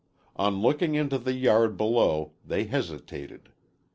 On looking into the yard below they hesitated.